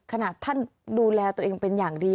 ขนาดท่านดูแลตัวเองเป็นอย่างดี